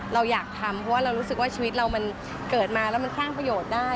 เราอยากทำเพราะว่าเรารู้สึกว่าชีวิตเรามันเกิดมาแล้วมันสร้างประโยชน์ได้